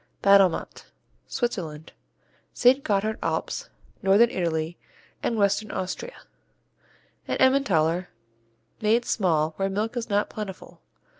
Battelmatt Switzerland, St. Gothard Alps, northern Italy, and western Austria An Emmentaler made small where milk is not plentiful.